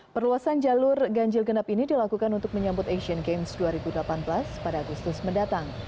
perluasan jalur ganjil genap ini dilakukan untuk menyambut asian games dua ribu delapan belas pada agustus mendatang